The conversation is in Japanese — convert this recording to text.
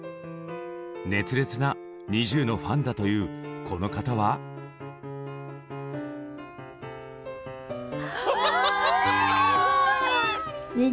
熱烈なＮｉｚｉＵのファンだというこの方は。えほんとに？